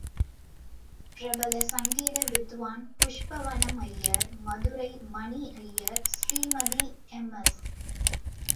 பிரபல சங்கீத வித்வான் புஷ்பவனம் அய்யர், மதுரை.மணி அய்யர், ஸ்ரீமதி எம்.எஸ்.